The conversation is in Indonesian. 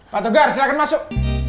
fatogar silahkan masuk